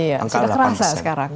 sudah terasa sekarang